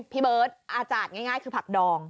พี่เบิร์ตอาจารย์ง่ายคือผักดอง